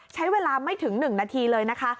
ใช้เวลาไม่ถึง๑นาทีเลยนะคะ